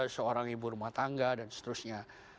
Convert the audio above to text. seorang ibu rumah tangga dan seterusnya